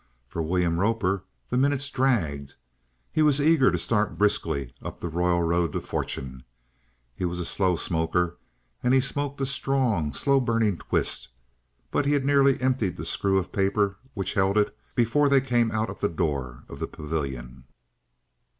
For William Roper the minutes dragged; he was eager to start briskly up the royal road to Fortune. He was a slow smoker and he smoked a strong, slow burning twist; but he had nearly emptied the screw of paper which held it before they came out of the door of the pavilion.